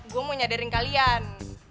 gue mau nyadarin kalian